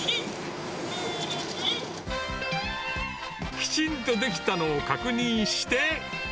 きちんと出来たのを確認して。